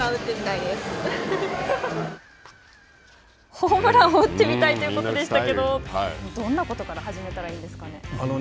ホームランを打ってみたいということでしたけど、どんなことから始めたらいいんですかね。